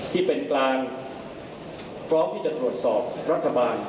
ที่เป็นกลางพร้อมที่จะตรวจสอบรัฐบาล